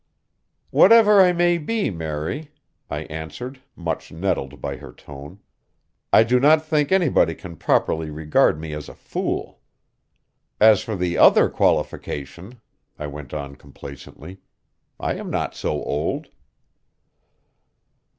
"Whatever I may be, Mary," I answered, much nettled by her tone, "I do not think anybody can properly regard me as a fool. As for the other qualification," I went on complacently, "I am not so old."